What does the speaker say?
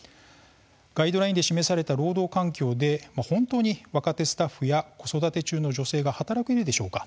ガイドラインで示された労働環境で本当に若手スタッフや子育て中の女性が働けるでしょうか。